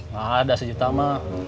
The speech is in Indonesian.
gak ada sejuta mak